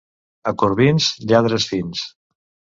A Corbins, lladres fins.